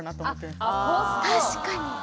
確かに。